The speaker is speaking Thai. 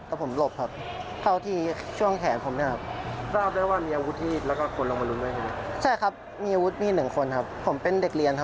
ก็คือไปกลับบ้านทุกวัน